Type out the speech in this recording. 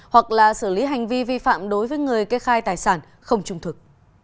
hoặc là xử lý hành vi vi phạm đối với người kê khai tài sản không trung thực